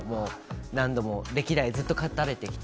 何度も、歴代ずっと勝たれてきて。